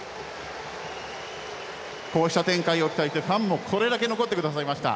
こうした展開を期待してファンもこれだけ残ってくれました。